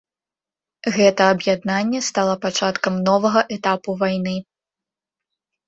Гэта аб'яднанне стала пачаткам новага этапу вайны.